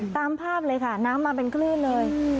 ตามภาพเลยค่ะน้ำมาเป็นคลื่นเลย